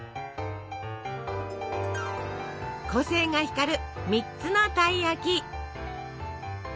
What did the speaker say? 個性が光る３つのたい焼き。